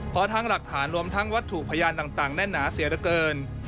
เพราะทั้งหลักฐานรวมทั้งวัตถุพยานต่างแน่นหนาเสียเหลือเกิน